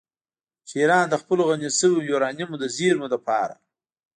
چې ایران د خپلو غني شویو یورانیمو د زیرمو لپاره